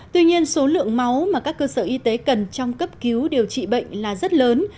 tuy nhiên số lượng máu mà các cơ sở y tế cần trong cấp cứu điều trị bệnh là rất lớn